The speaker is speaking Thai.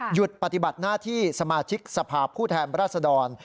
หยุดปฏิบัติหน้าที่สมาชิกสภาพผู้แทนราชดร